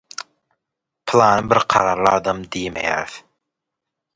«Pylany bir kararly adam» diýmeýäris.